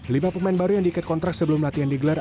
lima pemain baru yang diikat kontrak sebelum latihan digelar